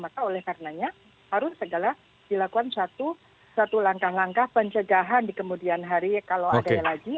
maka oleh karenanya harus segala dilakukan satu langkah langkah pencegahan di kemudian hari kalau ada lagi